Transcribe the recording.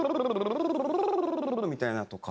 みたいなのとか。